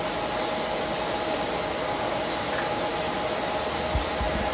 สุดท้ายสุดท้าย